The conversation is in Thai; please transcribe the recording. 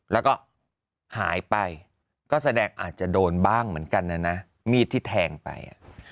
แล้วก็หายไปก็แสดงอาจจะโดนบ้างเหมือนกันนะนะมีดที่แทงไป